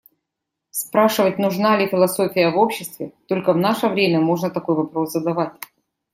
Спрашивать «нужна ли философия в обществе» - только в наше время можно такой вопрос задавать.